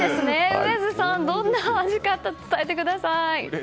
梅津さんどんな味か伝えてください。